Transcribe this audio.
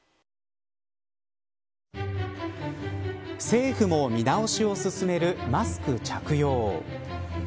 政府も見直しを進めるマスク着用。